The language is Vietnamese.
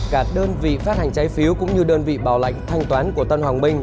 cả đơn vị phát hành trái phiếu cũng như đơn vị bảo lãnh thanh toán của tân hoàng minh